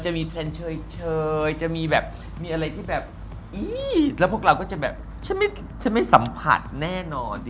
จะมีเทรนด์เชยจะมีแบบมีอะไรที่แบบแล้วพวกเราก็จะแบบฉันไม่สัมผัสแน่นอน